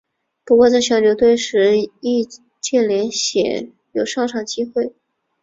不过在小牛队时易建联鲜有上场机会。